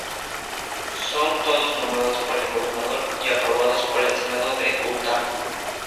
Son todos nombrados por el gobernador y aprobados por el Senado de Utah.